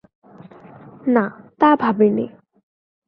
না, তা ভাবি নি।